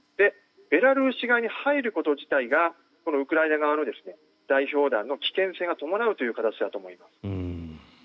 ベラルーシ側に入ること自体がウクライナ側の代表団の危険性が伴うという形だと思います。